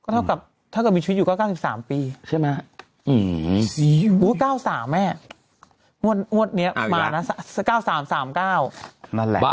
เท่ากับเท่ากับวิชุยุก็๙๓ปีใช่ไหมอืม๙๓แม่มัวนมัวนเนี้ยมานะ๙๓๓๙นั่นแหละ